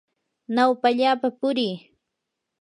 nawpallapa purii.